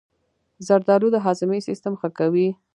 زردآلو د هاضمې سیستم ښه کوي.